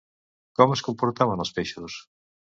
Com es comportaven els peixos?